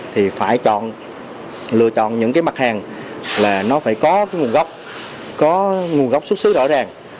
thì phải lựa chọn những mặt hàng là nó phải có nguồn gốc xuất xứ rõ ràng